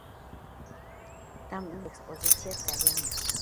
დამთვალიერებლებს ეს ექსპოზიციაც ძალიან მოსწონთ.